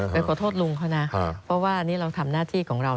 ไปขอโทษลุงเขานะเพราะว่านี่เราทำหน้าที่ของเรา